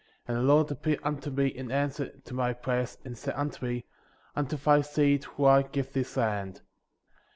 19. And the .Lord appeared unto me in answer to my prayers, and said unto me: Unto thy seed will I give this land.